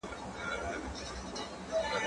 هغه څوک چي کتابتون ته ځي پوهه اخلي!.